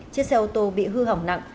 chiếc xe ô tô bị hư hỏng nặng